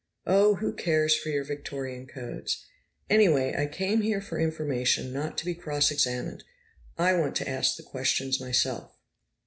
"Oh, who cares for your Victorian codes! Anyway, I came here for information, not to be cross examined. I want to ask the questions myself."